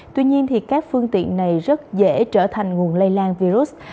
tuy nhiên các phương tiện này rất dễ trở thành nguồn lây lan virus